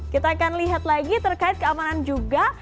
kita akan lihat lagi terkait keamanan juga